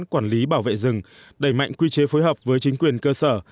quản lý bảo vệ rừng đẩy mạnh quy chế phối hợp với chính quyền cơ sở